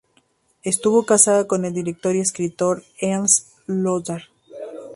Estuvo casada con el director y escritor Ernst Lothar.